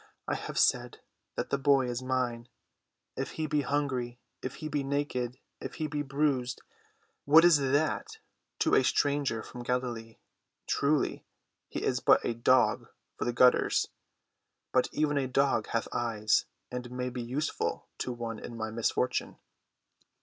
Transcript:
I have said that the boy is mine. If he be hungry, if he be naked, if he be bruised—what is that to a stranger from Galilee? Truly, he is but a dog of the gutters, but even a dog hath eyes and may be useful to one in my misfortune."